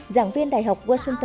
giảng viên đại học